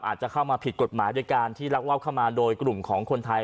อาจจะเข้ามาผิดกฎหมายโดยการที่ลักลอบเข้ามาโดยกลุ่มของคนไทย